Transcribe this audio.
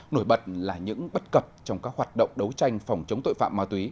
nổi bật là những bất cập trong các hoạt động đấu tranh phòng chống tội phạm ma túy